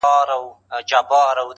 واک د زړه مي عاطفو ته ور کی یاره,